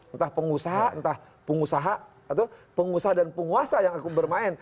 entah pengusaha entah pengusaha atau pengusaha dan penguasa yang akan bermain